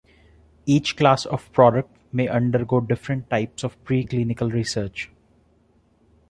Each class of product may undergo different types of preclinical research.